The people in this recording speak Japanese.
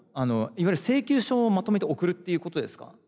いわゆる請求書をまとめて送るっていうことですか？